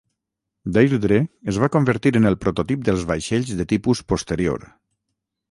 "Deirdre" es va convertir en el prototip dels vaixells de tipus posterior.